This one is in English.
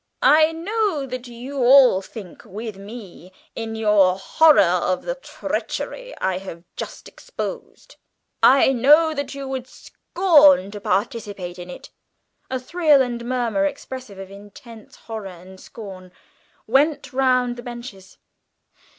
"I know that you all think with me in your horror of the treachery I have just exposed. I know that you would scorn to participate in it." (A thrill and murmur, expressive of intense horror and scorn, went round the benches.)